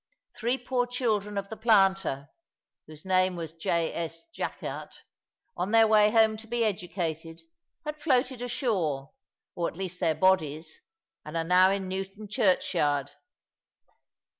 Three poor children of the planter (whose name was J. S. Jackert), on their way home to be educated, had floated ashore, or at least their bodies, and are now in Newton churchyard.